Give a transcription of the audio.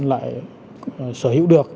lại sở hữu được